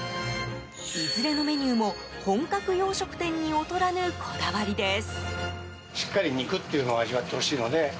いずれのメニューも本格洋食店に劣らぬこだわりです。